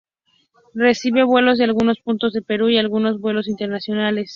Recibe vuelos de algunos puntos del Perú y algunos vuelos internacionales.